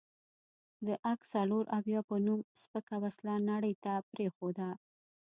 د اک څلوراویا په نوم سپکه وسله نړۍ ته پرېښوده.